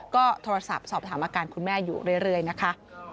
ก็โทรศัพท์สอบถามอาการคุณแม่อยู่เรื่อยนะคะ